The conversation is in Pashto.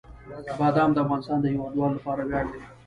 بادام د افغانستان د هیوادوالو لپاره یو ویاړ دی.